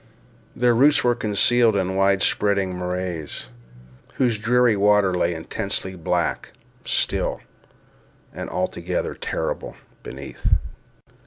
Their roots were concealed in wide spreading morasses, whose dreary water lay intensely black, still, and altogether terrible, beneath.